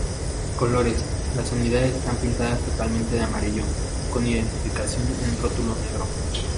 Colores: Las unidades están pintadas totalmente de amarillo, con identificación en rótulo negro.